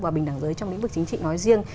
và bình đẳng giới trong lĩnh vực chính trị nói riêng